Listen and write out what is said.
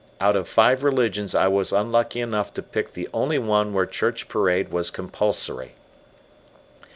Out of five religions I was unlucky enough to pick the only one where church parade was compulsory!